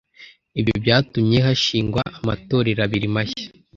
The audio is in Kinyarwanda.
ibyo byatumye hashingwa amatorero abiri mashya